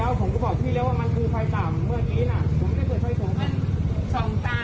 ไม่ผมก็รู้แล้วผมก็บอกพี่แล้วว่ามันคือไฟตำเมื่อกี้น่ะ